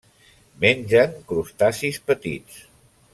Mengen crustacis petits.